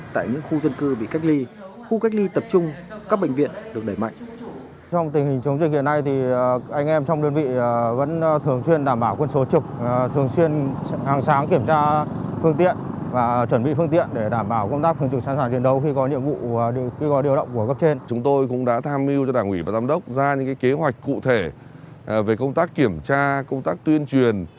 tại những khu dân cư bị cách ly khu cách ly tập trung các bệnh viện được đẩy mạnh